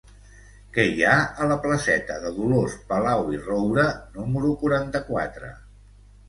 Què hi ha a la placeta de Dolors Palau i Roura número quaranta-quatre?